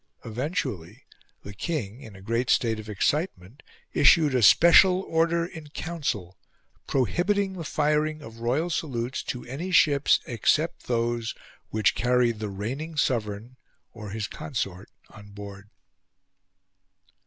Eventually the King, in a great state of excitement, issued a special Order in Council, prohibiting the firing of royal salutes to any ships except those which carried the reigning sovereign or his consort on board.